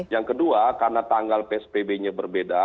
yang kedua karena tanggal pspb nya berbeda